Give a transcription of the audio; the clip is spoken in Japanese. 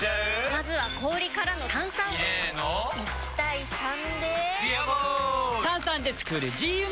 まずは氷からの炭酸！入れの１：３で「ビアボール」！